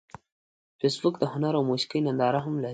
فېسبوک د هنر او موسیقۍ ننداره هم لري